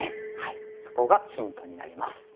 そこがヒントになります。